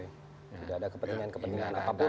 tidak ada kepentingan kepentingan apapun